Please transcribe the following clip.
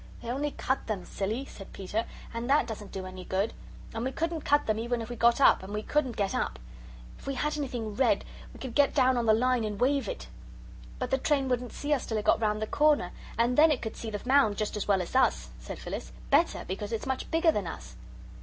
"They only CUT them, silly," said Peter, "and that doesn't do any good. And we couldn't cut them even if we got up, and we couldn't get up. If we had anything red, we could get down on the line and wave it." "But the train wouldn't see us till it got round the corner, and then it could see the mound just as well as us," said Phyllis; "better, because it's much bigger than us."